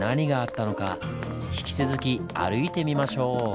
引き続き歩いてみましょう！